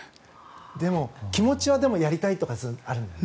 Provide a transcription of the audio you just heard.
でも、気持ちはやりたいとかあるんじゃ。